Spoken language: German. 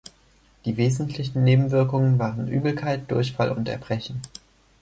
Die wesentlichen Nebenwirkungen waren Übelkeit, Durchfall und Erbrechen.